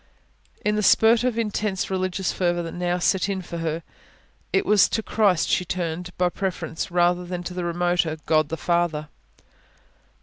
In the spurt of intense religious fervour that now set in for her, it was to Christ she turned by preference, rather than to the remoter God the Father.